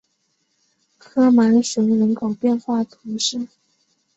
科芒雄人口变化图示